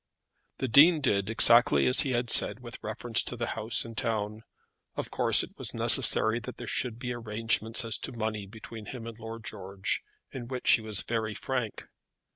The Dean did exactly as he had said with reference to the house in town. Of course it was necessary that there should be arrangements as to money between him and Lord George, in which he was very frank.